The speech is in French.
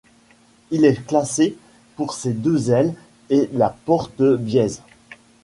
Il est classé pour ses deux ailes et la porte biaise.